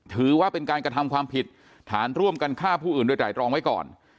ถือว่าเป็นการกระทำความผิดฐานร่วมกันฆ่าผู้อื่นโดยไตรรองไว้ก่อน